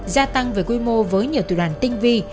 gia tăng về quy mô với nhiều tù đoàn tinh vi